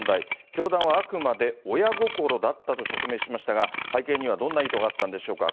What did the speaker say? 教団はあくまで親心だったと釈明しましたが、背景にはどんな意図があったんでしょうか。